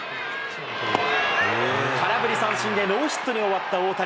空振り三振でノーヒットに終わった大谷。